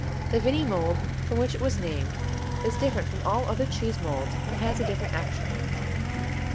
The Vinny mold, from which it was named, is different from all other cheese molds and has a different action.